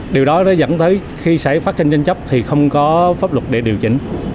điều đó dẫn đến khi xảy phát sinh tranh chấp thì không có pháp luật để điều chỉnh